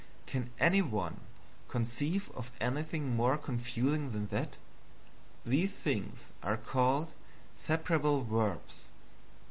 Can any one conceive of anything more confusing than that? These things are called "separable verbs."